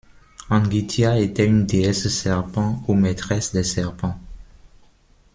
Angitia était une déesse serpent ou maîtresse des serpents.